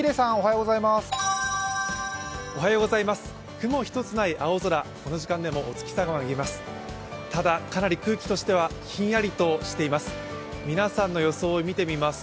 雲一つない青空、この時間でもお月様が見えます。